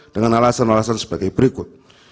dengan alasan alasan sebagai berikut